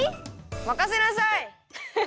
まかせなさい！